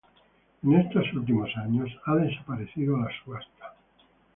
En estos últimos años ha desaparecido la subasta.